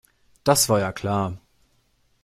Das war ja klar.